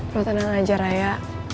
lo tenang aja raya